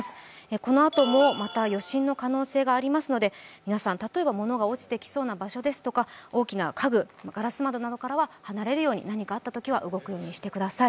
このあともまた余震の可能性がありますので、皆さん、例えば物が落ちてきそうな場所ですとか、大きな家具、ガラスなどからは離れるように何かあったら動けるようにしてください。